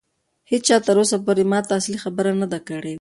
هیچا تر اوسه پورې ماته اصلي خبره نه ده کړې.